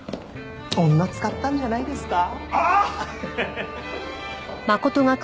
女使ったんじゃないですか？